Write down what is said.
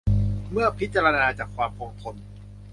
เมื่อพิจารณาจากความคงทน